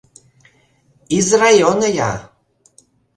Из района я.